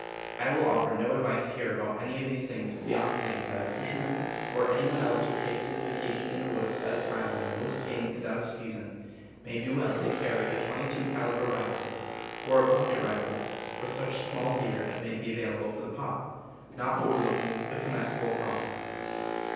I will P k t T?*fl offer no advice here about any of these things beyond saying that a fisherman, or any one else who takes his vacation in the woods at a time when most game is out of season, may do well to carry a .22 caliber rifle, or a pocket rifle, for such "small deer" as may be available for the pot, not over looking the comestible frog.